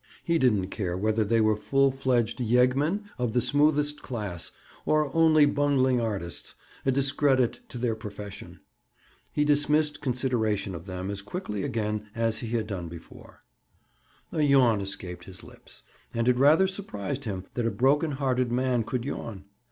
He didn't care whether they were full fledged yeggmen of the smoothest class, or only bungling artists, a discredit to their profession. He dismissed consideration of them as quickly again as he had done before. A yawn escaped his lips, and it rather surprised him that a broken hearted man could yawn.